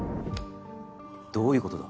どういうことだ？